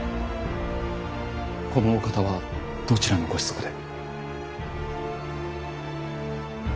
このお方はどちらのご子息で。